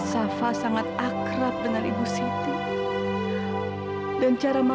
sampai jumpa di video selanjutnya